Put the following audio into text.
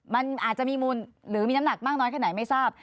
มันอาจจะมีมูลหรือมีน้ำหนักน้อยแค่ไหน